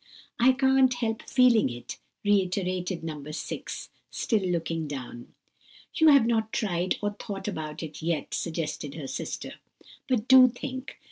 "I can't help feeling it," reiterated No. 6, still looking down. "You have not tried, or thought about it yet," suggested her sister; "but do think.